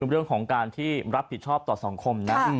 เรื่องของการที่รับผิดชอบต่อสังคมนะ